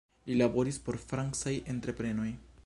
Li laboris por francaj entreprenoj.